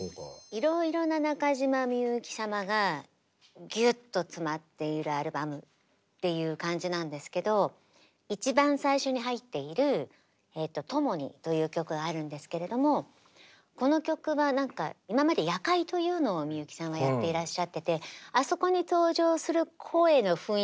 いろいろな中島みゆき様がぎゅっと詰まっているアルバムっていう感じなんですけど一番最初に入っているこの曲は今まで「夜会」というのをみゆきさんはやっていらっしゃっててあそこに登場する声の雰囲気もあったり